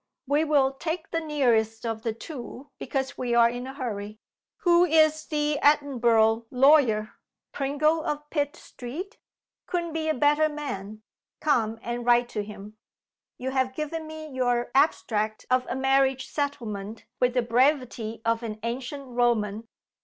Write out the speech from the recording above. "We will take the nearest of the two, because we are in a hurry. Who is the Edinburgh lawyer? Pringle of Pitt Street? Couldn't be a better man. Come and write to him. You have given me your abstract of a marriage settlement with the brevity of an ancient Roman.